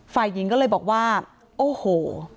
ฝ่ายหญิงก็เลยบอกว่าโอ้โห